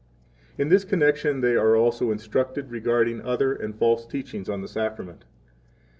8 [In this connection they are also instructed regarding other and false teachings on the Sacrament.